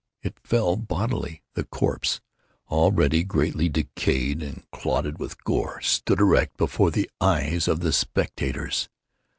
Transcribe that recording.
It fell bodily. The corpse, already greatly decayed and clotted with gore, stood erect before the eyes of the spectators.